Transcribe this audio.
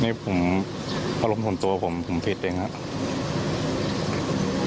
นี่ผมอารมณ์ส่วนตัวผมผมผิดเองครับ